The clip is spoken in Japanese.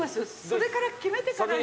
それから決めてから。